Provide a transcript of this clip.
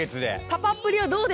パパっぷりはどうですか？